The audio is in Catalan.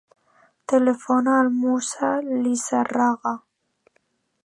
Telefona al Musa Lizarraga.